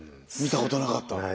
見たことなかった？